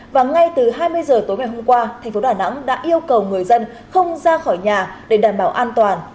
và ngay từ hai mươi giờ tối ngày hôm qua thành phố đà nẵng đã yêu cầu người dân không ra khỏi nhà để đảm bảo an toàn